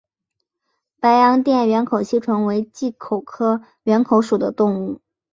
白洋淀缘口吸虫为棘口科缘口属的动物。